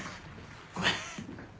ごめん。